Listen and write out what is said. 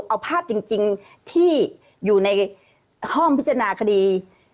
เอาภาพจริงที่อยู่ในห้องพิจารณาคดี